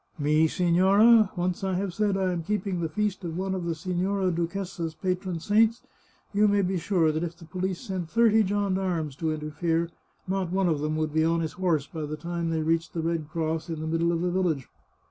" Me, signora ! Once I have said I am keeping the feast of one of the Signora Duchessa's patron saints, you may be sure that if the police sent thirty gendarmes to interfere, not one of them would be on his horse by the time they reached the red cross in the middle of the village.